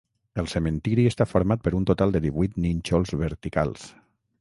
El cementiri està format per un total de divuit nínxols verticals.